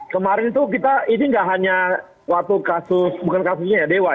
kemarin itu kita ini nggak hanya waktu kasus bukan kasusnya ya dewa